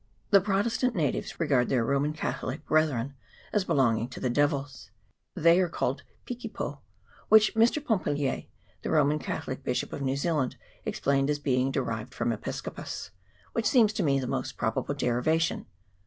The Protestant natives regard their Roman Ca tholic brethren as belonging to the devils: they are called pikipo, which M. Pompalier, the Roman Catholic Bishop of New Zealand, explained as being derived from episcopm, which seems to me the most probable derivation.